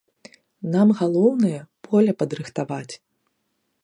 Нам галоўнае поле падрыхтаваць.